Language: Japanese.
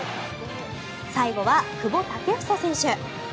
最後は久保建英選手。